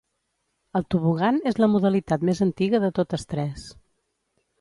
El tobogan és la modalitat més antiga de totes tres.